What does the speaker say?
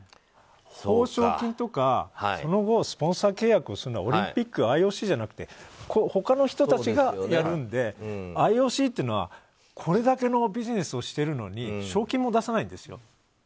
褒賞金とかその後、スポンサー契約するのはオリンピック、ＩＯＣじゃなくて他の人たちがやるのでＩＯＣっていうのはこれだけのビジネスをしているのに賞金も出さないんですよ。